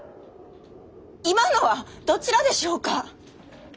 今のはどちらでしょうか。